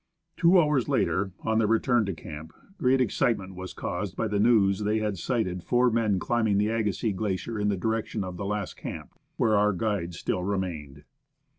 Two hours later, on their return to camp, 130 CD O CO NEWTON GLACIER great excitement was caused by the news that they had sighted four men cHmbing the Agassiz Glacier in the direction of the last camp, where our guides still remained.